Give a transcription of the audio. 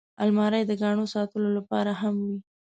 الماري د ګاڼو ساتلو لپاره هم وي